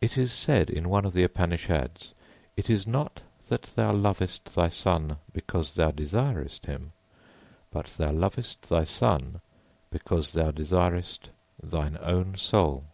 It is said in one of the Upanishads: _It is not that thou lovest thy son because thou desirest him, but thou lovest thy son because thou desirest thine own soul.